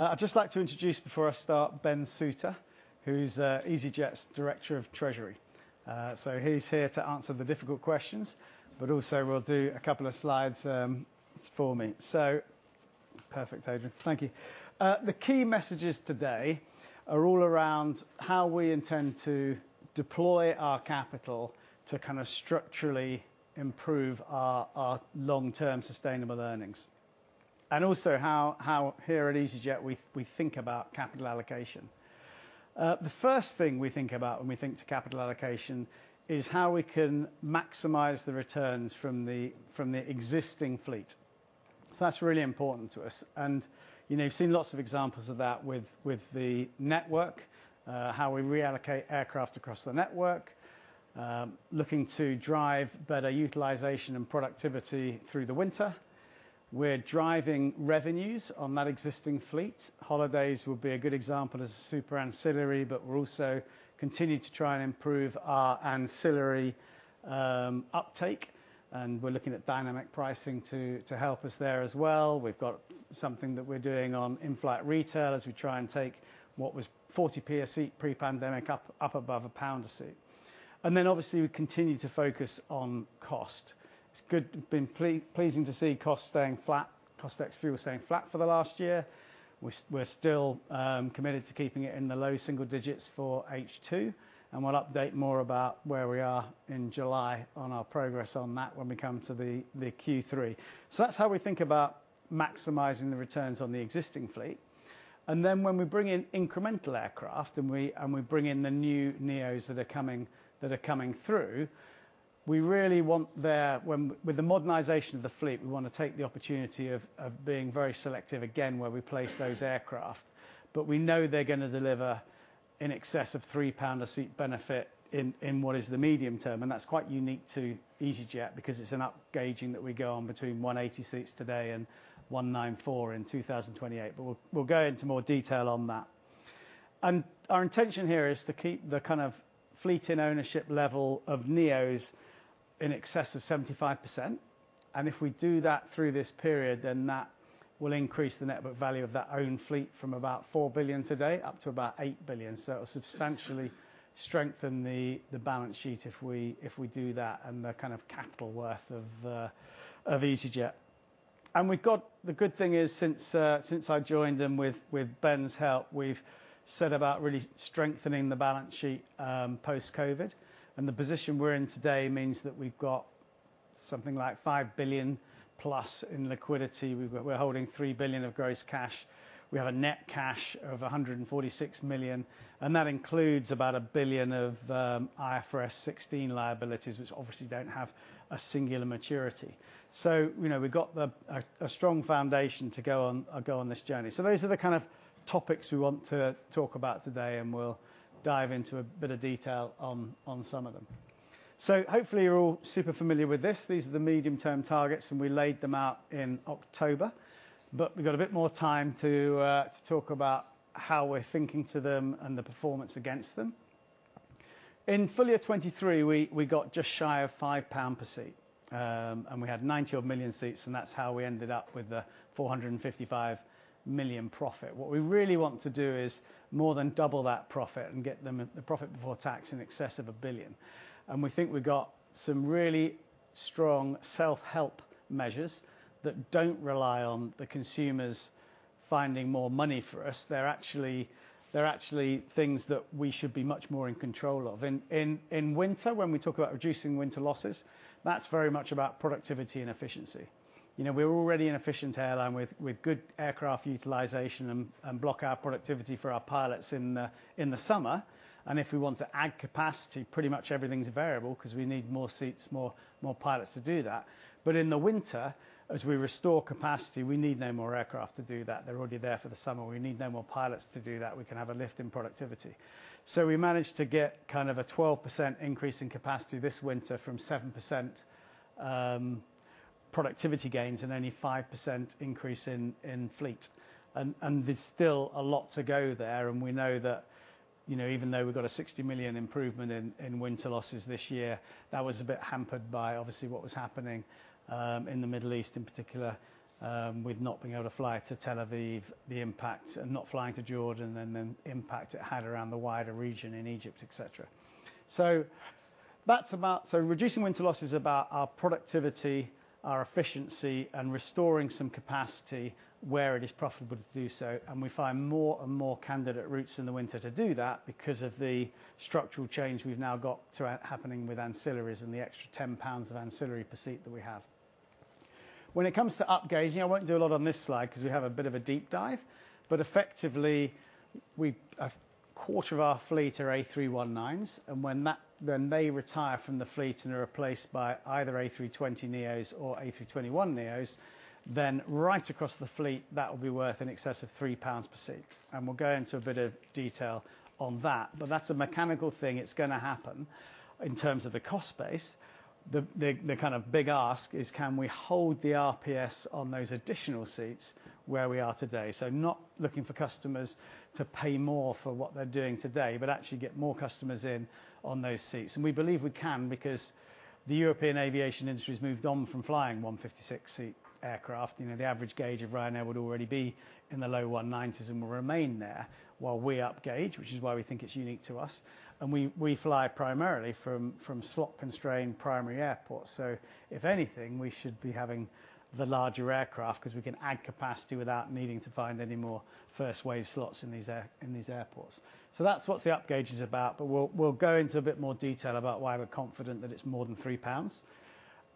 I'd just like to introduce before I start, Ben Souter, who's easyJet's Director of Treasury. So he's here to answer the difficult questions, but also will do a couple of slides for me. So, perfect, Adrian, thank you. The key messages today are all around how we intend to deploy our capital to kind of structurally improve our, our long-term sustainable earnings, and also how, how here at easyJet, we, we think about capital allocation. The first thing we think about when we think to capital allocation is how we can maximize the returns from the, from the existing fleet. So that's really important to us, and, you know, you've seen lots of examples of that with, with the network, how we reallocate aircraft across the network, looking to drive better utilization and productivity through the winter. We're driving revenues on that existing fleet. Holidays will be a good example as a super ancillary, but we'll also continue to try and improve our ancillary uptake, and we're looking at dynamic pricing to help us there as well. We've got something that we're doing on in-flight retail as we try and take what was 40 PSE pre-pandemic up above GBP 1 a seat. And then, obviously, we continue to focus on cost. It's been pleasing to see costs staying flat. Cost ex-fuel was staying flat for the last year. We're still committed to keeping it in the low single digits for H2, and we'll update more about where we are in July on our progress on that when we come to the Q3. So that's how we think about maximizing the returns on the existing fleet. And then, when we bring in incremental aircraft, and we bring in the new neos that are coming through, we really want with the modernization of the fleet, we wanna take the opportunity of being very selective again, where we place those aircraft. But we know they're gonna deliver in excess of 3 pound a seat benefit in what is the medium term, and that's quite unique to easyJet, because it's an upgauging that we go on between 180 seats today and 194 in 2028. But we'll go into more detail on that. And our intention here is to keep the kind of fleet in ownership level of neos in excess of 75%, and if we do that through this period, then that will increase the network value of that own fleet from about 4 billion today, up to about 8 billion. So it'll substantially strengthen the balance sheet if we do that, and the kind of capital worth of easyJet. And we've got the good thing is, since I joined, and with Ben's help, we've set about really strengthening the balance sheet post-COVID. And the position we're in today means that we've got something like 5 billion+ in liquidity. We're holding 3 billion of gross cash. We have a net cash of 146 million, and that includes about 1 billion of IFRS 16 liabilities, which obviously don't have a singular maturity. So, you know, we've got the strong foundation to go on this journey. So those are the kind of topics we want to talk about today, and we'll dive into a bit of detail on some of them. So hopefully, you're all super familiar with this. These are the medium-term targets, and we laid them out in October. But we've got a bit more time to talk about how we're thinking to them and the performance against them. In full year 2023, we got just shy of 5 pound per seat, and we had 90-odd million seats, and that's how we ended up with the 455 million profit. What we really want to do is more than double that profit and get the profit before tax in excess of 1 billion. And we think we've got some really strong self-help measures that don't rely on the consumers finding more money for us. They're actually things that we should be much more in control of. In winter, when we talk about reducing winter losses, that's very much about productivity and efficiency. You know, we're already an efficient airline with good aircraft utilization and block hour productivity for our pilots in the summer. If we want to add capacity, pretty much everything's variable, 'cause we need more seats, more pilots to do that. But in the winter, as we restore capacity, we need no more aircraft to do that. They're already there for the summer. We need no more pilots to do that. We can have a lift in productivity. So we managed to get kind of a 12% increase in capacity this winter from 7% productivity gains and only 5% increase in fleet. And there's still a lot to go there, and we know that, you know, even though we've got a 60 million improvement in winter losses this year, that was a bit hampered by obviously what was happening in the Middle East in particular, with not being able to fly to Tel Aviv, the impact and not flying to Jordan, and then the impact it had around the wider region in Egypt, et cetera. So that's about... So reducing winter loss is about our productivity, our efficiency, and restoring some capacity where it is profitable to do so. And we find more and more candidate routes in the winter to do that because of the structural change we've now got through happening with ancillaries and the extra 10 pounds of ancillary per seat that we have. When it comes to upgauging, I won't do a lot on this slide because we have a bit of a deep dive, but effectively, a quarter of our fleet are A319s, and when they retire from the fleet and are replaced by either A320neos or A321neos, then right across the fleet, that will be worth in excess of 3 pounds per seat. And we'll go into a bit of detail on that. But that's a mechanical thing, it's gonna happen in terms of the cost base, the kind of big ask is can we hold the RPS on those additional seats where we are today? So not looking for customers to pay more for what they're doing today, but actually get more customers in on those seats. We believe we can, because the European aviation industry has moved on from flying 156-seat aircraft. You know, the average gauge of Ryanair would already be in the low 190s and will remain there while we up-gauge, which is why we think it's unique to us. We fly primarily from slot-constrained primary airports. So if anything, we should be having the larger aircraft, 'cause we can add capacity without needing to find any more first-wave slots in these airports. So that's what the up-gauge is about, but we'll go into a bit more detail about why we're confident that it's more than 3 pounds.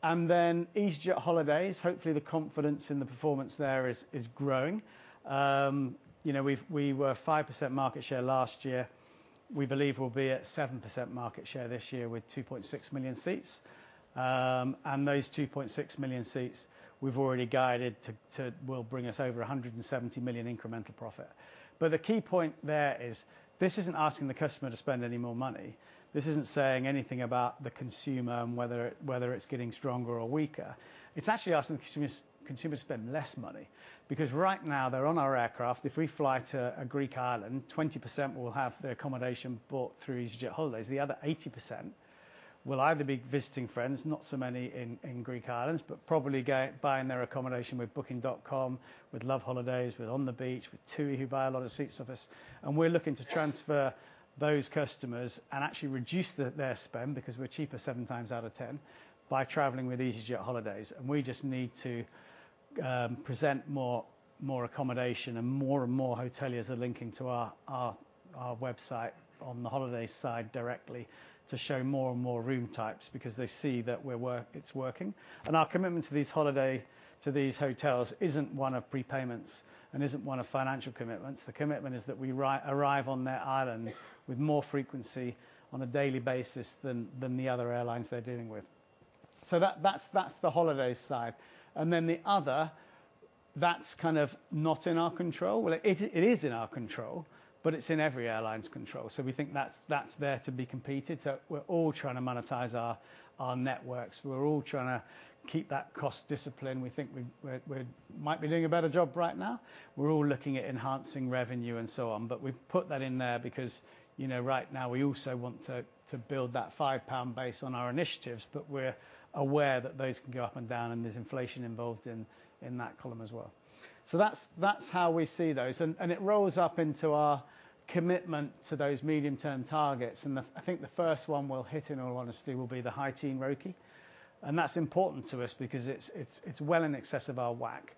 Then easyJet holidays, hopefully, the confidence in the performance there is growing. You know, we were 5% market share last year. We believe we'll be at 7% market share this year with 2.6 million seats. And those 2.6 million seats, we've already guided to will bring us over 170 million incremental profit. But the key point there is, this isn't asking the customer to spend any more money. This isn't saying anything about the consumer, and whether it, whether it's getting stronger or weaker. It's actually asking the consumers to spend less money, because right now they're on our aircraft. If we fly to a Greek island, 20% will have their accommodation bought through easyJet holidays. The other 80% will either be visiting friends, not so many in Greek islands, but probably go buying their accommodation with Booking.com, with loveholidays, with On the Beach, with TUI, who buy a lot of seats off us. We're looking to transfer those customers and actually reduce their spend, because we're cheaper seven times out of ten by traveling with easyJet holidays. We just need to present more accommodation and more and more hoteliers are linking to our website on the holiday side directly to show more and more room types, because they see that it's working. Our commitment to these holiday to these hotels isn't one of prepayments and isn't one of financial commitments. The commitment is that we arrive on their island with more frequency on a daily basis than the other airlines they're dealing with. So that's the holiday side. Then the other that's kind of not in our control. Well, it is in our control, but it's in every airline's control. So we think that's there to be competed. So we're all trying to monetize our networks. We're all trying to keep that cost discipline. We think we're doing a better job right now. We're all looking at enhancing revenue and so on, but we've put that in there because, you know, right now we also want to build that 5 pound base on our initiatives, but we're aware that those can go up and down, and there's inflation involved in that column as well. So that's how we see those, and it rolls up into our commitment to those medium-term targets. And I think the first one we'll hit, in all honesty, will be the high teen ROCE. And that's important to us because it's well in excess of our WACC,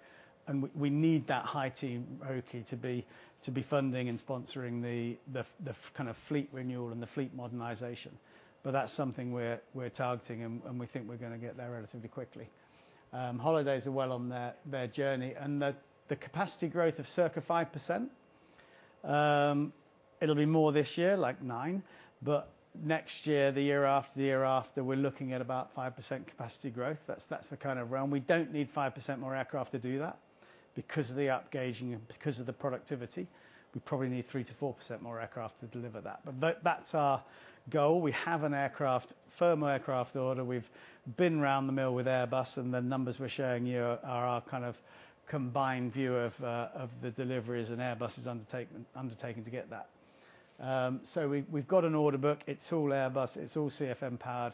and we need that high teen ROCE to be funding and sponsoring the kind of fleet renewal and the fleet modernization. But that's something we're targeting, and we think we're gonna get there relatively quickly. Holidays are well on their journey, and the capacity growth of circa 5%, it'll be more this year, like 9%, but next year, the year after, the year after, we're looking at about 5% capacity growth. That's the kind of realm. We don't need 5% more aircraft to do that because of the upgauging and because of the productivity. We probably need 3%-4% more aircraft to deliver that. But that's our goal. We have a firm aircraft order. We've been through the mill with Airbus, and the numbers we're showing you are our kind of combined view of the deliveries and Airbus's undertaking to get that. So we've got an order book. It's all Airbus, it's all CFM-powered,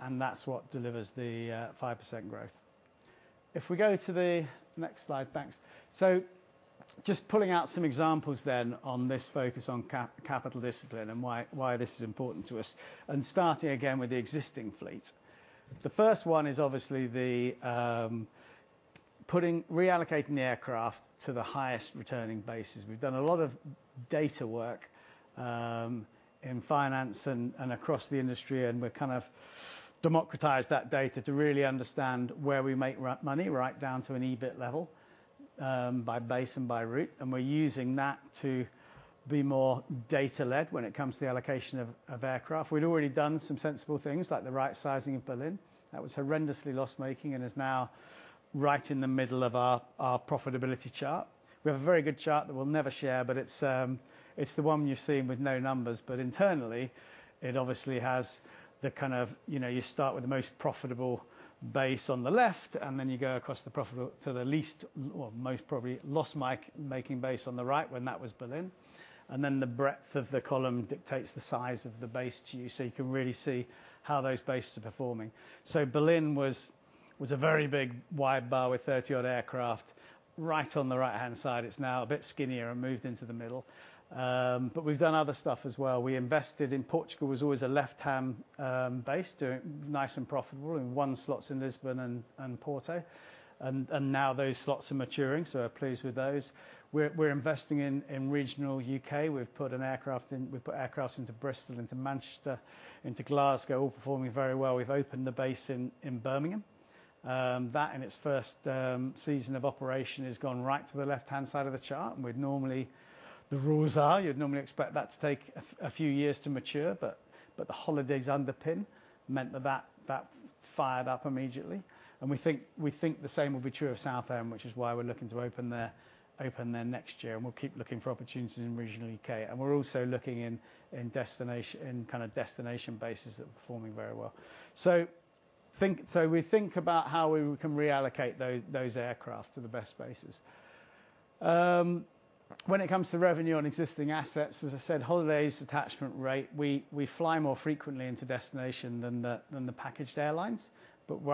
and that's what delivers the 5% growth. If we go to the next slide. Thanks. So just pulling out some examples then on this focus on capital discipline and why this is important to us, and starting again with the existing fleet. The first one is obviously the reallocating the aircraft to the highest returning bases. We've done a lot of data work in finance and across the industry, and we're kind of democratized that data to really understand where we make money, right down to an EBIT level, by base and by route. And we're using that to be more data-led when it comes to the allocation of aircraft. We'd already done some sensible things, like the right sizing of Berlin. That was horrendously loss-making and is now right in the middle of our profitability chart. We have a very good chart that we'll never share, but it's the one you've seen with no numbers. But internally, it obviously has the kind of, you know, you start with the most profitable base on the left, and then you go across the profitable to the least or most probably loss-making base on the right, when that was Berlin. And then, the breadth of the column dictates the size of the base to you, so you can really see how those bases are performing. So Berlin was a very big wide bar with 30-odd aircraft, right on the right-hand side. It's now a bit skinnier and moved into the middle. But we've done other stuff as well. We invested in Portugal, was always a left-hand base, doing nice and profitable and won slots in Lisbon and Porto. And now those slots are maturing, so we're pleased with those. We're investing in regional U.K. We've put an aircraft in, we've put aircraft into Bristol, into Manchester, into Glasgow, all performing very well. We've opened the base in Birmingham. That in its first season of operation has gone right to the left-hand side of the chart. And we'd normally... The rules are, you'd normally expect that to take a few years to mature, but the holidays underpinning meant that that fired up immediately. And we think the same will be true of Southend, which is why we're looking to open there next year, and we'll keep looking for opportunities in regional U.K. And we're also looking in kind of destination bases that are performing very well. So we think about how we can reallocate those aircraft to the best bases. When it comes to revenue on existing assets, as I said, holidays attachment rate, we fly more frequently into destination than the packaged airlines. But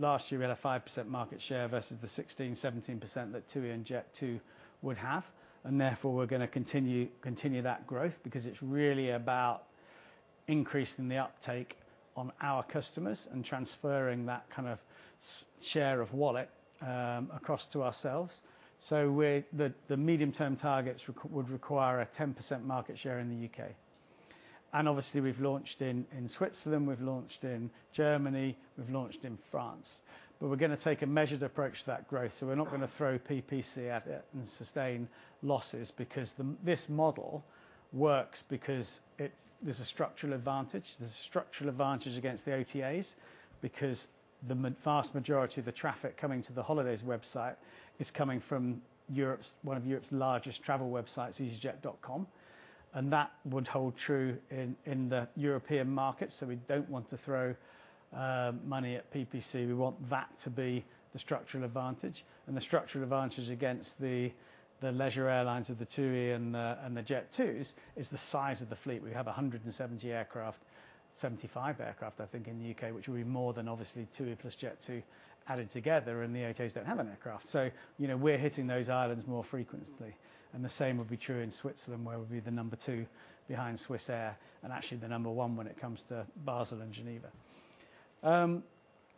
last year, we had a 5% market share versus the 16%-17% that TUI and Jet2 would have, and therefore, we're gonna continue that growth, because it's really about increasing the uptake on our customers and transferring that kind of share of wallet across to ourselves. So the medium-term targets would require a 10% market share in the UK. And obviously, we've launched in Switzerland, we've launched in Germany, we've launched in France. But we're gonna take a measured approach to that growth, so we're not gonna throw PPC at it and sustain losses, because this model works because it. There's a structural advantage. There's a structural advantage against the OTAs, because the vast majority of the traffic coming to the holidays website is coming from one of Europe's largest travel websites, easyJet.com. And that would hold true in the European market, so we don't want to throw money at PPC. We want that to be the structural advantage, and the structural advantage against the leisure airlines of the TUI and the Jet2s is the size of the fleet. We have 170 aircraft, 75 aircraft, I think, in the UK, which will be more than obviously TUI plus Jet2 added together, and the OTAs don't have an aircraft. So, you know, we're hitting those islands more frequently, and the same would be true in Switzerland, where we'd be the number two behind SWISS and actually the number one when it comes to Basel and Geneva.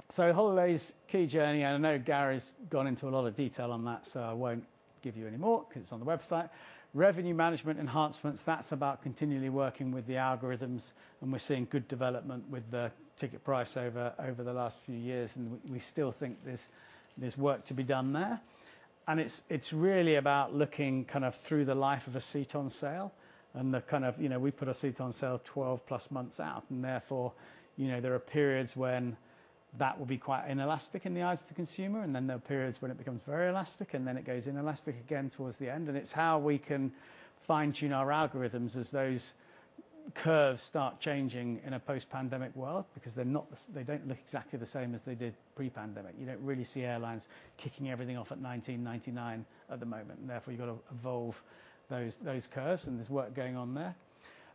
So holidays, key journey, and I know Gary's gone into a lot of detail on that, so I won't give you any more because it's on the website. Revenue management enhancements, that's about continually working with the algorithms, and we're seeing good development with the ticket price over the last few years, and we still think there's work to be done there. And it's really about looking kind of through the life of a seat on sale and the kind of, you know, we put a seat on sale 12+ months out, and therefore, you know, there are periods when that will be quite inelastic in the eyes of the consumer. And then, there are periods when it becomes very elastic, and then it goes inelastic again towards the end. And it's how we can fine-tune our algorithms as those curves start changing in a post-pandemic world, because they're not the they don't look exactly the same as they did pre-pandemic. You don't really see airlines kicking everything off at 19.99 at the moment, and therefore, you've got to evolve those, those curves, and there's work going on there.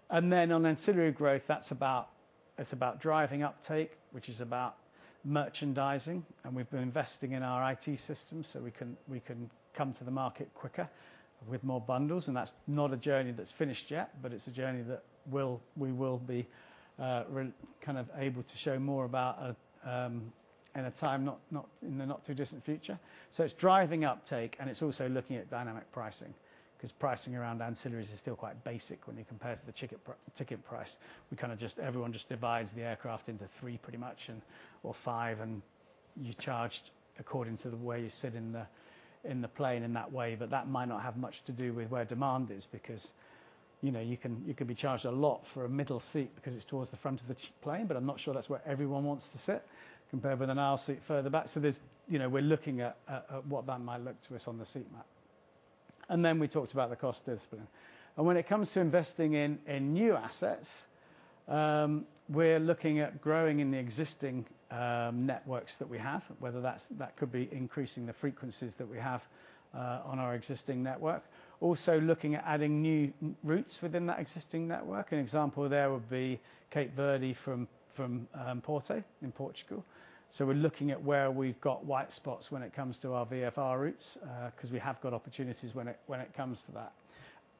And then, on ancillary growth, that's about, it's about driving uptake, which is about merchandising. And we've been investing in our IT system, so we can, we can come to the market quicker with more bundles, and that's not a journey that's finished yet, but it's a journey that will, we will be kind of able to show more about in a time in the not too distant future. So it's driving uptake, and it's also looking at dynamic pricing, 'cause pricing around ancillaries is still quite basic when you compare to the ticket price. We kind of just, everyone just divides the aircraft into three, pretty much, and or five, and you're charged according to the way you sit in the, in the plane in that way. But that might not have much to do with where demand is, because, you know, you can, you can be charged a lot for a middle seat because it's towards the front of the plane, but I'm not sure that's where everyone wants to sit, compared with an aisle seat further back. So there's, you know, we're looking at what that might look to us on the seat map. And then, we talked about the cost discipline. When it comes to investing in new assets, we're looking at growing in the existing networks that we have, whether that's, that could be increasing the frequencies that we have on our existing network. Also, looking at adding new routes within that existing network. An example there would be Cape Verde from Porto in Portugal. So we're looking at where we've got white spots when it comes to our VFR routes, 'cause we have got opportunities when it comes to that.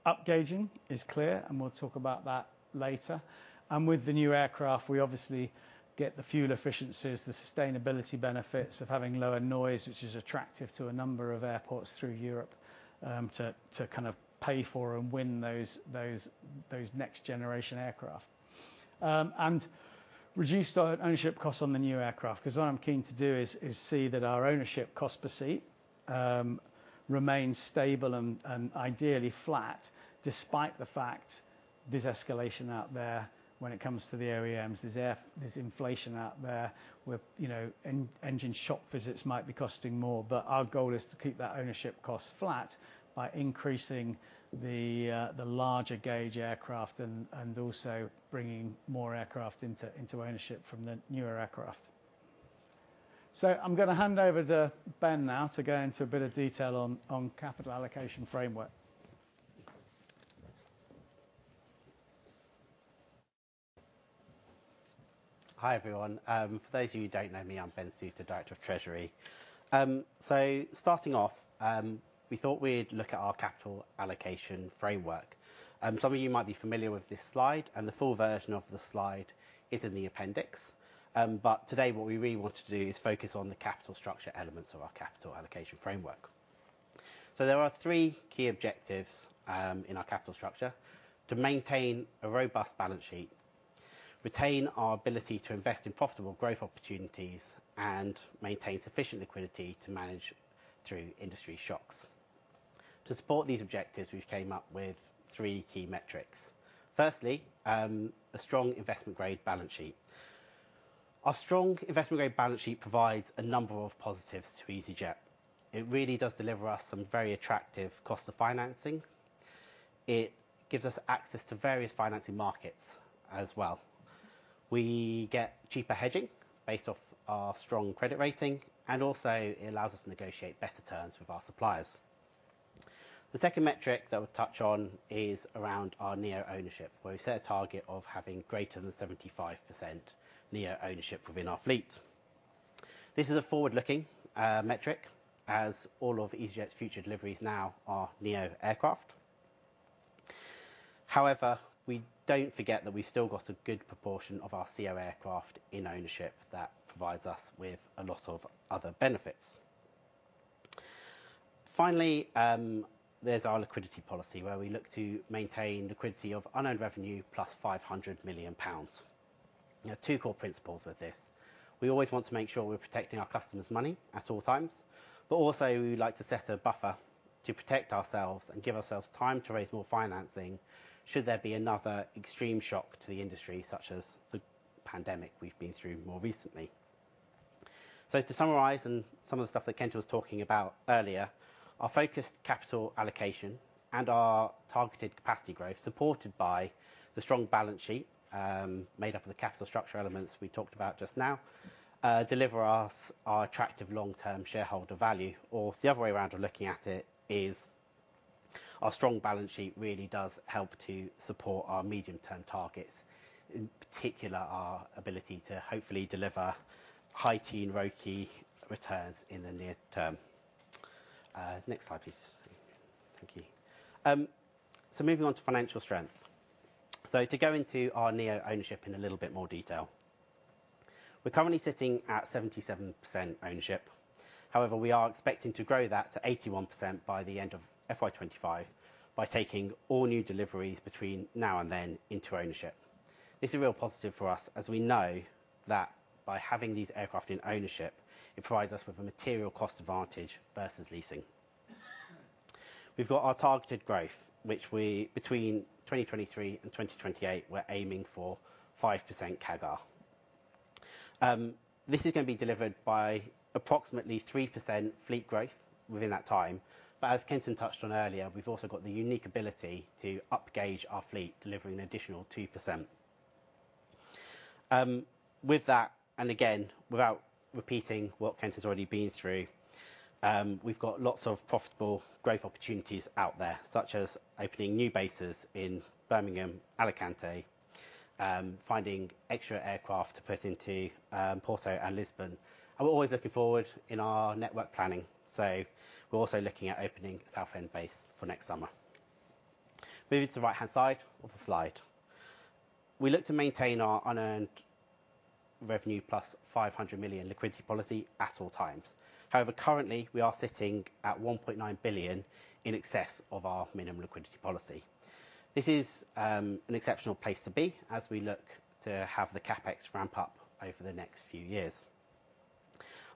Upgauging is clear, and we'll talk about that later. With the new aircraft, we obviously get the fuel efficiencies, the sustainability benefits of having lower noise, which is attractive to a number of airports through Europe, to kind of pay for and win those next-generation aircraft. And reduce the ownership costs on the new aircraft, 'cause what I'm keen to do is see that our ownership cost per seat remains stable and ideally flat, despite the fact there's escalation out there when it comes to the OEMs. There's inflation out there, where, you know, engine shop visits might be costing more, but our goal is to keep that ownership cost flat by increasing the larger gauge aircraft and also bringing more aircraft into ownership from the newer aircraft. So I'm gonna hand over to Ben now to go into a bit of detail on capital allocation framework. Hi, everyone. For those of you who don't know me, I'm Ben Souter, Director of Treasury. So starting off, we thought we'd look at our capital allocation framework. Some of you might be familiar with this slide, and the full version of the slide is in the appendix. But today, what we really want to do is focus on the capital structure elements of our capital allocation framework. So there are three key objectives, in our capital structure: to maintain a robust balance sheet, retain our ability to invest in profitable growth opportunities, and maintain sufficient liquidity to manage through industry shocks. To support these objectives, we've came up with three key metrics. Firstly, a strong investment-grade balance sheet. Our strong investment-grade balance sheet provides a number of positives to easyJet. It really does deliver us some very attractive costs of financing.... It gives us access to various financing markets as well. We get cheaper hedging based off our strong credit rating, and also it allows us to negotiate better terms with our suppliers. The second metric that we'll touch on is around our neo-ownership, where we set a target of having greater than 75% neo-ownership within our fleet. This is a forward-looking metric, as all of easyJet's future deliveries now are neo-aircraft. However, we don't forget that we've still got a good proportion of our ceo aircraft in ownership that provides us with a lot of other benefits. Finally, there's our liquidity policy, where we look to maintain liquidity of unearned revenue, plus 500 million pounds. There are two core principles with this: We always want to make sure we're protecting our customers' money at all times, but also, we like to set a buffer to protect ourselves and give ourselves time to raise more financing, should there be another extreme shock to the industry, such as the pandemic we've been through more recently. So to summarize, and some of the stuff that Kenton was talking about earlier, our focused capital allocation and our targeted capacity growth, supported by the strong balance sheet, made up of the capital structure elements we talked about just now, deliver us our attractive long-term shareholder value. Or the other way around of looking at it is, our strong balance sheet really does help to support our medium-term targets, in particular, our ability to hopefully deliver high teen ROCE returns in the near term. Next slide, please. Thank you. So moving on to financial strength. So to go into our neo-ownership in a little bit more detail. We're currently sitting at 77% ownership. However, we are expecting to grow that to 81% by the end of FY 2025, by taking all new deliveries between now and then into ownership. This is a real positive for us, as we know that by having these aircraft in ownership, it provides us with a material cost advantage versus leasing. We've got our targeted growth, which we between 2023 and 2028, we're aiming for 5% CAGR. This is going to be delivered by approximately 3% fleet growth within that time. But as Kenton touched on earlier, we've also got the unique ability to up gauge our fleet, delivering an additional 2%. With that, and again, without repeating what Kenton's already been through, we've got lots of profitable growth opportunities out there, such as opening new bases in Birmingham, Alicante, finding extra aircraft to put into Porto and Lisbon. And we're always looking forward in our network planning, so we're also looking at opening Southend base for next summer. Moving to the right-hand side of the slide. We look to maintain our unearned revenue, plus 500 million liquidity policy at all times. However, currently, we are sitting at 1.9 billion in excess of our minimum liquidity policy. This is an exceptional place to be as we look to have the CapEx ramp up over the next few years.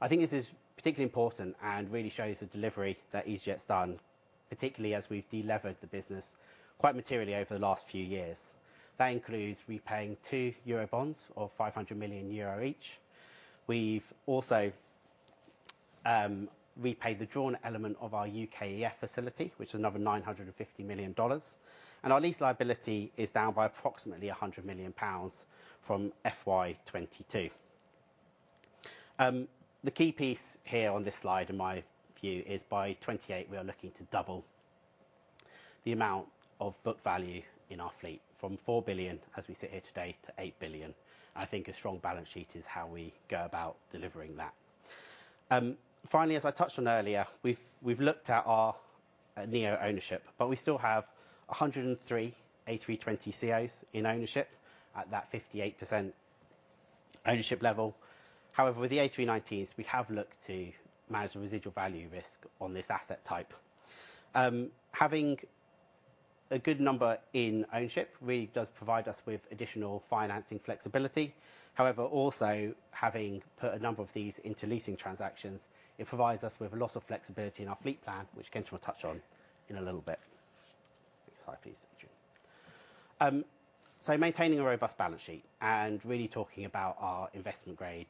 I think this is particularly important and really shows the delivery that easyJet's done, particularly as we've delevered the business quite materially over the last few years. That includes repaying two euro bonds of 500 million euro each. We've also repaid the drawn element of our UKEF facility, which is another $950 million, and our lease liability is down by approximately 100 million pounds from FY 2022. The key piece here on this slide, in my view, is by 2028, we are looking to double the amount of book value in our fleet from 4 billion, as we sit here today, to 8 billion. I think a strong balance sheet is how we go about delivering that. Finally, as I touched on earlier, we've looked at our neo-ownership, but we still have 103 A320ceos in ownership at that 58% ownership level. However, with the A319s, we have looked to manage the residual value risk on this asset type. Having a good number in ownership really does provide us with additional financing flexibility. However, also having put a number of these into leasing transactions, it provides us with a lot of flexibility in our fleet plan, which Kenton will touch on in a little bit. Next slide, please. So maintaining a robust balance sheet and really talking about our investment-grade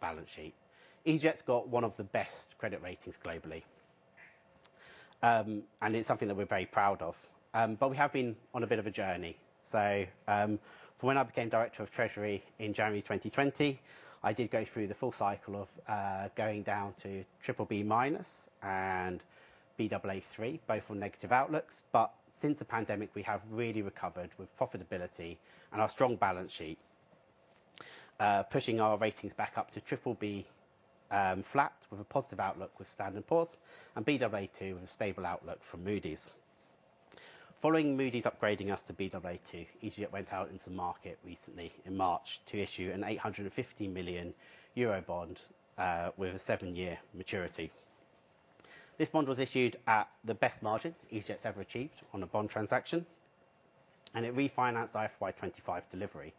balance sheet. easyJet's got one of the best credit ratings globally. And it's something that we're very proud of, but we have been on a bit of a journey. So, from when I became Director of Treasury in January 2020, I did go through the full cycle of, going down to BBB- and Baa3, both on negative outlooks. But since the pandemic, we have really recovered with profitability and our strong balance sheet, pushing our ratings back up to BBB, flat with a positive outlook with Standard and Poor's and Baa2 with a stable outlook from Moody's. Following Moody's upgrading us to Baa2, easyJet went out into the market recently in March to issue an 850 million euro bond, with a 7-year maturity. This bond was issued at the best margin easyJet's ever achieved on a bond transaction, and it refinanced our FY 2025 delivery.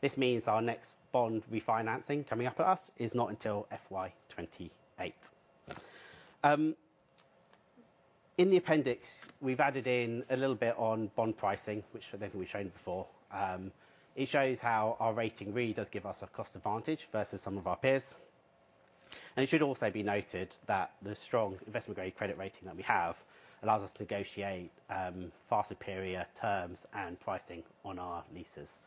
This means our next bond refinancing coming up at us, is not until FY 2028. In the appendix, we've added in a little bit on bond pricing, which I don't think we've shown before. It shows how our rating really does give us a cost advantage versus some of our peers. It should also be noted that the strong investment grade credit rating that we have allows us to negotiate far superior terms and pricing on our leases.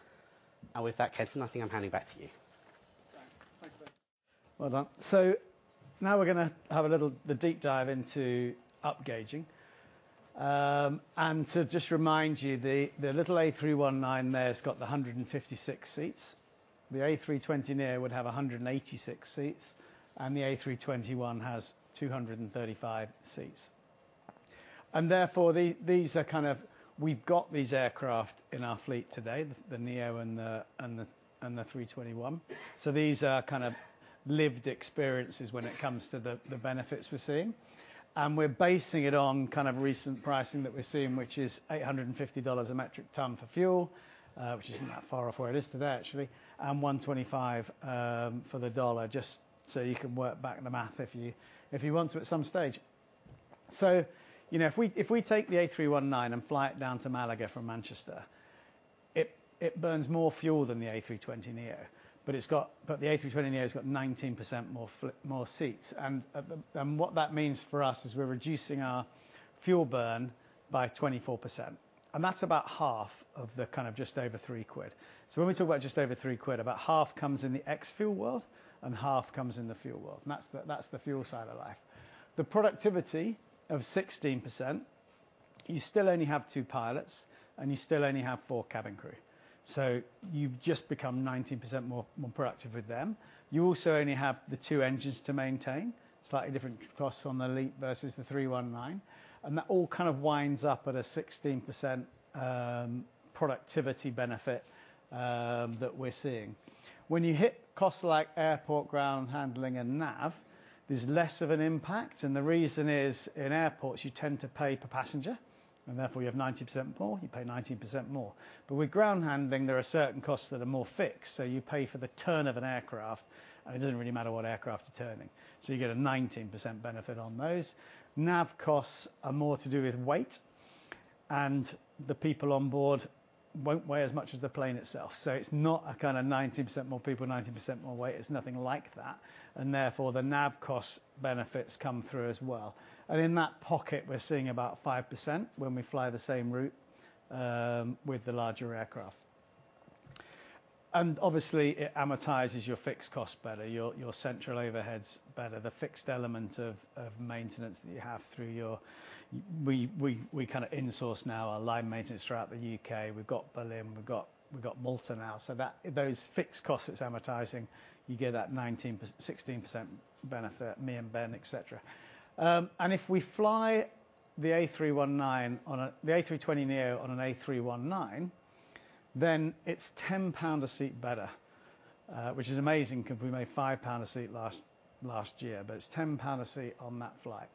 With that, Kenton, I think I'm handing back to you. Thanks. Thanks, mate. Well done. So now we're gonna have a little, the deep dive into upgauging. And to just remind you, the little A319 there has got the 156 seats. The A320neo would have a 186 seats, and the A321 has 235 seats. And therefore, these are kind of we've got these aircraft in our fleet today, the neo and the 321. So these are kind of lived experiences when it comes to the benefits we're seeing, and we're basing it on kind of recent pricing that we're seeing, which is $850 a metric ton for fuel, which isn't that far off where it is today, actually, and 1.25 for the dollar, just so you can work back the math if you want to at some stage. So, you know, if we take the A319 and fly it down to Malaga from Manchester, it burns more fuel than the A320neo. But the A320neo's got 19% more seats, and what that means for us is we're reducing our fuel burn by 24%, and that's about half of the kind of just over 3 quid. So when we talk about just over 3 quid, about half comes in the ex-fuel world and half comes in the fuel world, and that's the, that's the fuel side of life. The productivity of 16%, you still only have two pilots, and you still only have four cabin crew. So you've just become 19% more productive with them. You also only have the two engines to maintain. Slightly different costs from the LEAP versus the 319, and that all kind of winds up at a 16% productivity benefit that we're seeing. When you hit costs like airport ground handling and nav, there's less of an impact, and the reason is, in airports, you tend to pay per passenger, and therefore you have 19% more, you pay 19% more. But with ground handling, there are certain costs that are more fixed, so you pay for the turn of an aircraft, and it doesn't really matter what aircraft you're turning. So you get a 19% benefit on those. Nav costs are more to do with weight, and the people on board won't weigh as much as the plane itself, so it's not a kind of 19% more people, 19% more weight. It's nothing like that, and therefore, the nav cost benefits come through as well. And in that pocket, we're seeing about 5% when we fly the same route with the larger aircraft. And obviously, it amortizes your fixed costs better, your, your central overheads better, the fixed element of, of maintenance that you have through your... We kind of in-source now our line maintenance throughout the U.K.. We've got Berlin, we've got Malta now, so that those fixed costs it's amortizing, you get that 19%, 16% benefit, me and Ben, et cetera. And if we fly the A320neo on an A319, then it's 10 pound a seat better, which is amazing, because we made 5 pound a seat last year, but it's 10 pound a seat on that flight.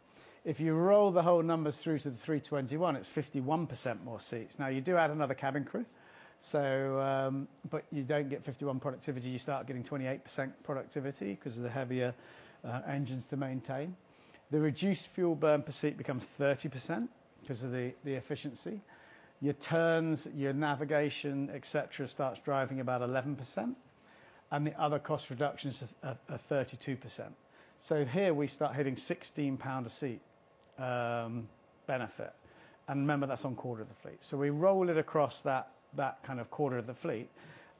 If you roll the whole numbers through to the A321, it's 51% more seats. Now, you do add another cabin crew, so, but you don't get 51% productivity. You start getting 28% productivity, because of the heavier engines to maintain. The reduced fuel burn per seat becomes 30% because of the efficiency. Your turns, your navigation, et cetera, starts driving about 11%, and the other cost reductions are 32%. So here, we start hitting 16 pound per seat benefit, and remember, that's on quarter of the fleet. So we roll it across that kind of quarter of the fleet,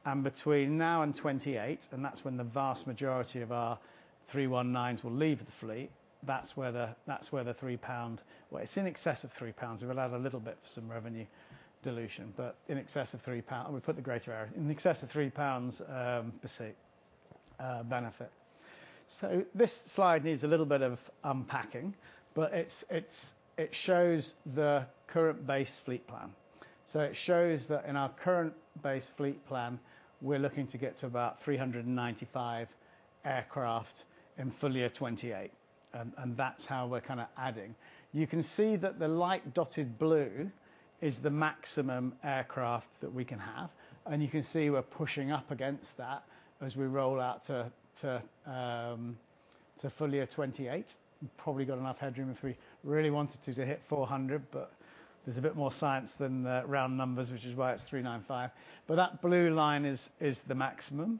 and between now and 2028, and that's when the vast majority of our A319s will leave the fleet. That's where the, that's where the 3 pound. Well, it's in excess of 3 pounds. We'll allow a little bit for some revenue dilution, but in excess of 3 pounds, we put the greater area, in excess of 3 pounds per seat benefit. So this slide needs a little bit of unpacking, but it shows the current base fleet plan. So it shows that in our current base fleet plan, we're looking to get to about 395 aircraft in full year 2028, and that's how we're kind of adding. You can see that the light dotted blue is the maximum aircraft that we can have, and you can see we're pushing up against that as we roll out to full year 2028. Probably got enough headroom if we really wanted to hit 400, but there's a bit more science than the round numbers, which is why it's 395. But that blue line is the maximum.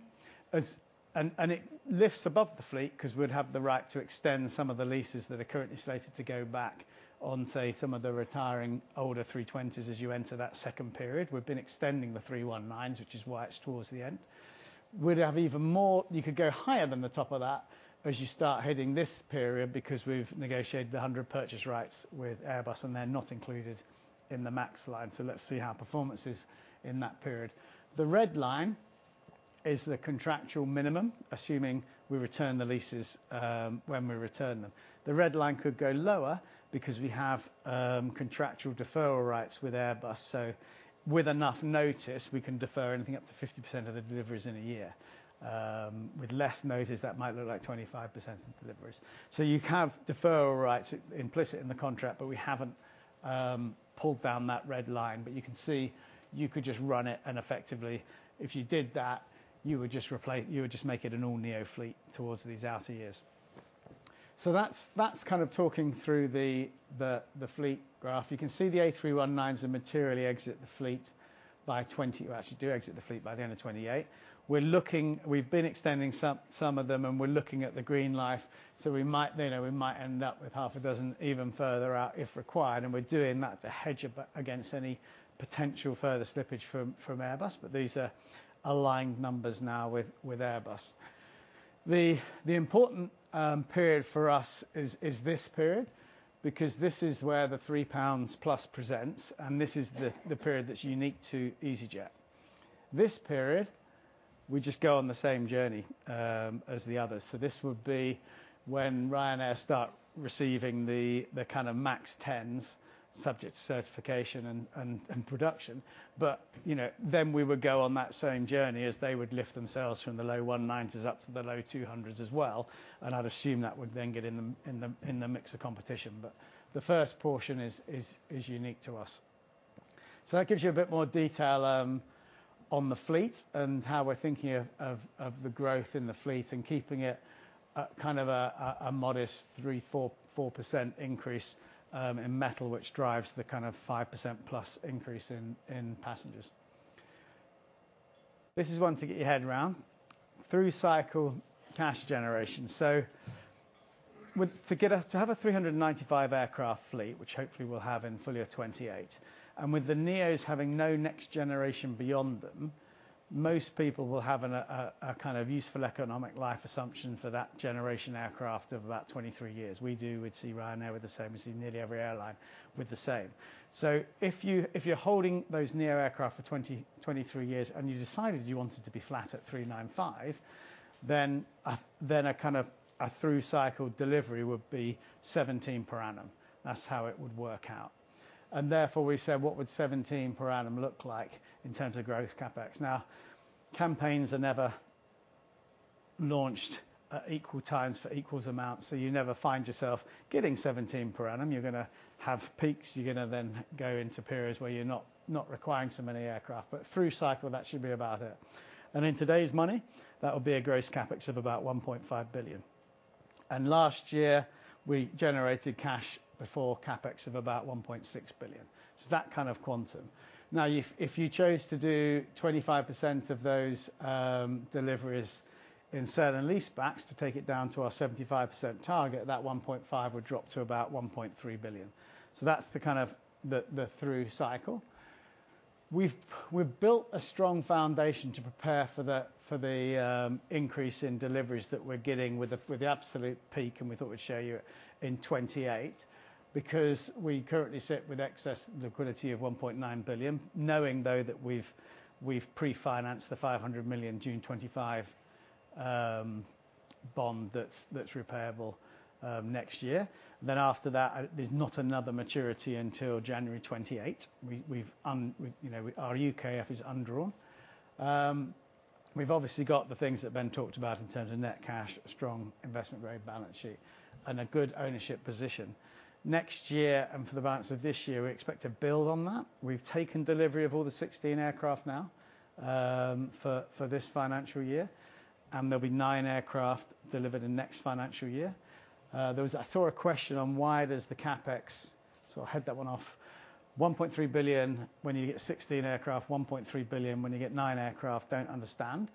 And it lifts above the fleet, because we'd have the right to extend some of the leases that are currently slated to go back on, say, some of the retiring older 320s as you enter that second period. We've been extending the A319s, which is why it's towards the end. We'd have even more, you could go higher than the top of that as you start hitting this period, because we've negotiated 100 purchase rights with Airbus, and they're not included in the max line. So let's see how performance is in that period. The red line is the contractual minimum, assuming we return the leases, when we return them. The red line could go lower because we have contractual deferral rights with Airbus, so with enough notice, we can defer anything up to 50% of the deliveries in a year. With less notice, that might look like 25% of the deliveries. So you have deferral rights implicit in the contract, but we haven't pulled down that red line. But you can see you could just run it, and effectively, if you did that, you would just replace—you would just make it an all-neo fleet towards these outer years. So that's kind of talking through the fleet graph. You can see the A319s materially exit the fleet by 20, well, actually do exit the fleet by the end of 2028. We're looking—we've been extending some of them, and we're looking at the green life, so we might, you know, we might end up with 6 even further out, if required. And we're doing that to hedge against any potential further slippage from Airbus. But these are aligned numbers now with Airbus. The important period for us is this period, because this is where the 3+ pounds presents, and this is the period that's unique to easyJet. This period, we just go on the same journey as the others. So this would be when Ryanair start receiving the kind of MAX 10s, subject to certification and production. But, you know, then we would go on that same journey as they would lift themselves from the low 190s up to the low 200s as well, and I'd assume that would then get in the mix of competition. But the first portion is unique to us. So that gives you a bit more detail on the fleet and how we're thinking of the growth in the fleet and keeping it at kind of a modest 3%-4% increase in metal, which drives the kind of 5%+ increase in passengers. This is one to get your head around. Through cycle cash generation. So with— To get a, to have a 395 aircraft fleet, which hopefully we'll have in full year 2028, and with the NEOs having no next generation beyond them, most people will have a kind of useful economic life assumption for that generation aircraft of about 23 years. We do with, see Ryanair with the same, we see nearly every airline with the same. So if you, if you're holding those NEO aircraft for 20-23 years, and you decided you wanted to be flat at 395, then a, then a kind of a through cycle delivery would be 17 per annum. That's how it would work out. And therefore, we said, "What would 17 per annum look like in terms of gross CapEx?" Now, campaigns are never launched at equal times for equal amounts, so you never find yourself getting 17 per annum. You're gonna have peaks. You're gonna then go into periods where you're not, not requiring so many aircraft, but through cycle, that should be about it. And in today's money, that would be a gross CapEx of about 1.5 billion. And last year, we generated cash before CapEx of about 1.6 billion. So that kind of quantum. Now, if you chose to do 25% of those deliveries in certain leasebacks to take it down to our 75% target, that 1.5 would drop to about 1.3 billion. So that's the kind of the through cycle. We've built a strong foundation to prepare for the increase in deliveries that we're getting with the absolute peak, and we thought we'd show you in 2028, because we currently sit with excess liquidity of 1.9 billion, knowing, though, that we've pre-financed the 500 million June 2025 bond that's repayable next year. Then after that, there's not another maturity until January 2028. We, you know, our UKEF is undrawn. We've obviously got the things that Ben talked about in terms of net cash, strong investment-grade balance sheet, and a good ownership position. Next year, and for the balance of this year, we expect to build on that. We've taken delivery of all the 16 aircraft now, for this financial year, and there'll be nine aircraft delivered in next financial year. I saw a question on why does the CapEx, so I'll head that one off. 1.3 billion when you get 16 aircraft, 1.3 billion when you get nine aircraft, don't understand?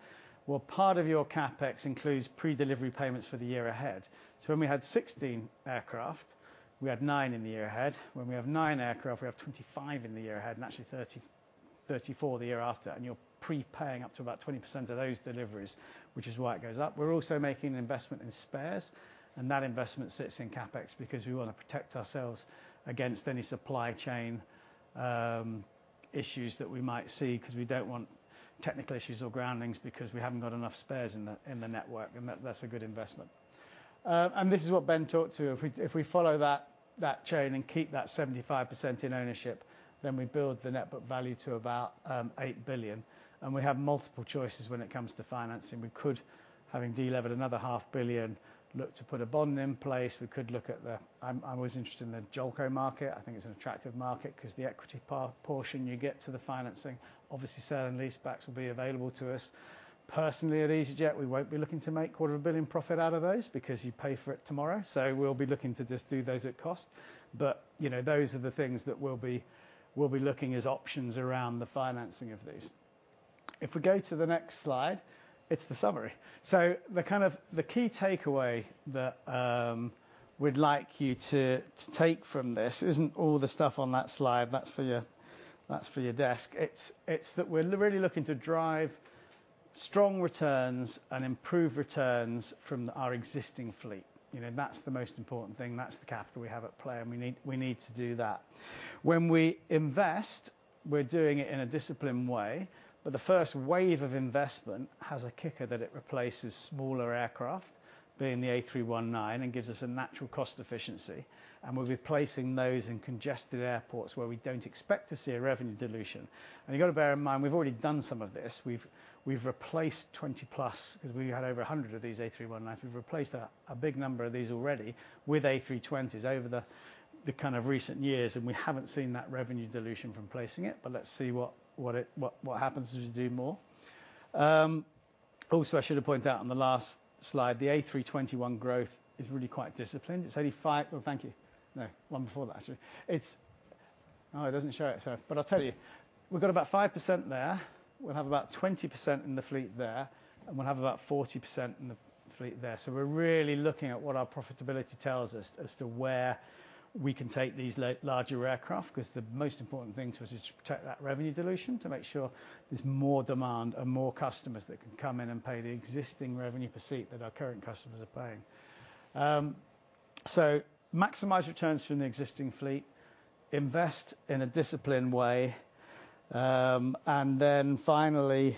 Well, part of your CapEx includes pre-delivery payments for the year ahead. So when we had 16 aircraft, we had nine in the year ahead. When we have nine aircraft, we have 25 in the year ahead, and actually 34 the year after. You're prepaying up to about 20% of those deliveries, which is why it goes up. We're also making an investment in spares, and that investment sits in CapEx, because we want to protect ourselves against any supply chain issues that we might see, because we don't want technical issues or groundings because we haven't got enough spares in the network, and that's a good investment. And this is what Ben talked to. If we follow that chain and keep that 75% in ownership, then we build the net book value to about 8 billion, and we have multiple choices when it comes to financing. We could, having delevered another 0.5 billion, look to put a bond in place. We could look at the... I'm always interested in the JOLCO market. I think it's an attractive market, because the equity portion, you get to the financing. Obviously, sale and leasebacks will be available to us. Personally, at easyJet, we won't be looking to make 250 million profit out of those, because you pay for it tomorrow, so we'll be looking to just do those at cost. But, you know, those are the things that we'll be, we'll be looking as options around the financing of these. If we go to the next slide, it's the summary. So the kind of the key takeaway that we'd like you to, to take from this isn't all the stuff on that slide. That's for your, that's for your desk. It's, it's that we're really looking to drive strong returns and improve returns from our existing fleet. You know, that's the most important thing. That's the capital we have at play, and we need, we need to do that. When we invest, we're doing it in a disciplined way, but the first wave of investment has a kicker that it replaces smaller aircraft, being the A319, and gives us a natural cost efficiency. And we're replacing those in congested airports where we don't expect to see a revenue dilution. And you've got to bear in mind, we've already done some of this. We've, we've replaced 20+, because we had over 100 of these A319s. We've replaced a, a big number of these already with A320s over the, the kind of recent years, and we haven't seen that revenue dilution from replacing it, but let's see what, what it, what, what happens as we do more. Also, I should have pointed out on the last slide, the A321 growth is really quite disciplined. It's only five... Well, thank you. No, one before that, actually. It's... Oh, it doesn't show it, so, but I'll tell you. We've got about 5% there. We'll have about 20% in the fleet there, and we'll have about 40% in the fleet there. So we're really looking at what our profitability tells us as to where we can take these larger aircraft, because the most important thing to us is to protect that revenue dilution, to make sure there's more demand and more customers that can come in and pay the existing revenue per seat that our current customers are paying. So maximize returns from the existing fleet, invest in a disciplined way, and then finally,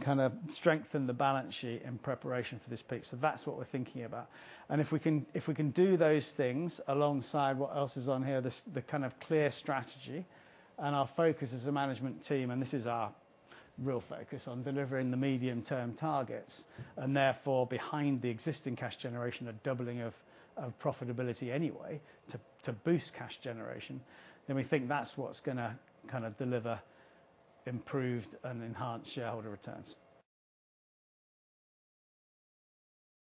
kind of strengthen the balance sheet in preparation for this peak. So that's what we're thinking about. And if we can do those things alongside what else is on here, this, the kind of clear strategy and our focus as a management team, and this is our real focus on delivering the medium-term targets, and therefore, behind the existing cash generation, a doubling of profitability anyway to boost cash generation, then we think that's what's gonna kind of deliver improved and enhanced shareholder returns.